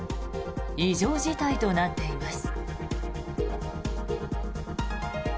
異常事態となっています。